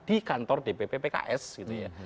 di kantor dpp pks gitu ya